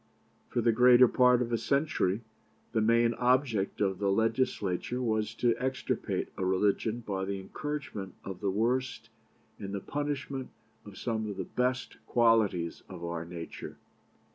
For the greater part of a century, the main object of the Legislature was to extirpate a religion by the encouragement of the worst, and the punishment of some of the best qualities of our nature.